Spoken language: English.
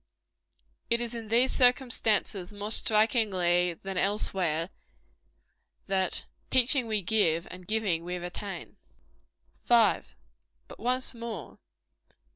It is in these circumstances more strikingly true than elsewhere, that "Teaching, we give; and giving, we retain." 5. But once more.